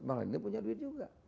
bahkan dia punya duit juga